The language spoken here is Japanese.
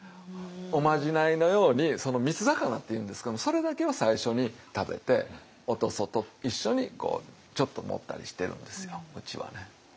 おまじないのように三つ肴っていうんですけどもそれだけは最初に食べてお屠蘇と一緒にちょっと盛ったりしてるんですようちはね。